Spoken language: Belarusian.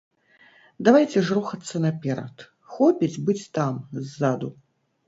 Давайце ж рухацца наперад, хопіць быць там, ззаду.